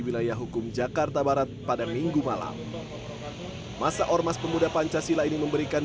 wilayah hukum jakarta barat pada minggu malam masa ormas pemuda pancasila ini memberikan